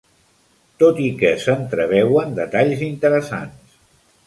Tot i que s'entreveuen detalls interessants.